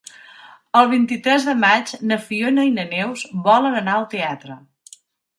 El vint-i-tres de maig na Fiona i na Neus volen anar al teatre.